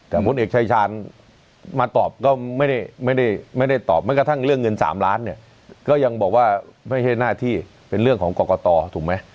แต่ผลเอกชายชาญมาตอบก็ไม่ได้ตอบแม้กระทั่งเรื่องเงิน๓ล้านเนี่ยก็ยังบอกว่าไม่ใช่หน้าที่เป็นเรื่องของกรกตถูกไหม